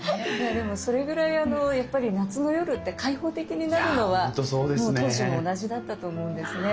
でもそれぐらいやっぱり夏の夜って開放的になるのは当時も同じだったと思うんですね。